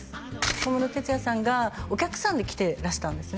小室哲哉さんがお客さんで来てらしたんですね